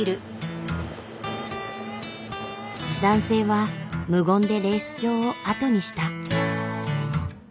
男性は無言でレース場を後にした。